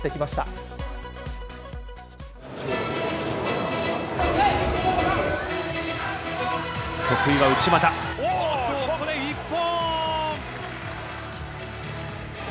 ここで一本。